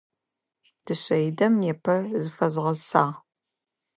Дышъэидэм непэ зыфэзгъэсагъ.